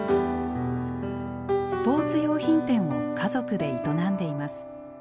スポーツ用品店を家族で営んでいます。